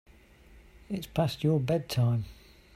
It's past your bedtime.